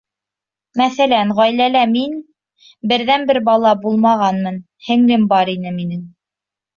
Мәҫәлән, ғаиләлә мин... берҙән-бер бала булмағанмын, һеңлем бар ине минең...